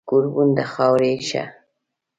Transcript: کوربون د خاورې شه